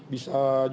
kita punya kapasitas